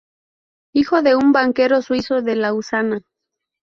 Hijo de un banquero suizo de Lausana.